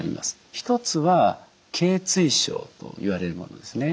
１つはけい椎症といわれるものですね。